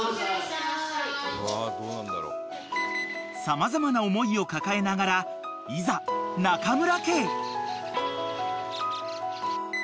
［様々な思いを抱えながらいざ中村家へ］